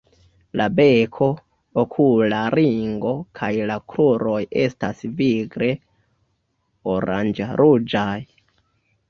La beko, okula ringo kaj la kruroj estas vigle oranĝ-ruĝaj.